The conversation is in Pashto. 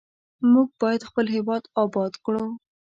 موږ باید خپل هیواد آباد کړو.